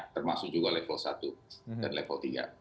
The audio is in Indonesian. termasuk juga level satu dan level tiga